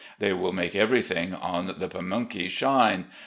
They will make everything on the Pamunkey shine.